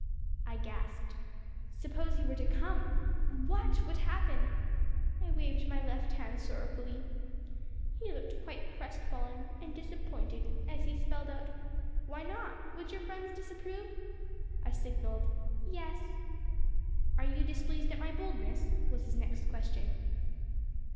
I gasped! Suppose he were to come? What would happen? I waved my left hand sorrowfully. He looked quite crestfallen and disappointed as he spelled out: "Why not? Would your friends disapprove?" I signalled: "Yes." "Are you displeased at my boldness?" was his next question.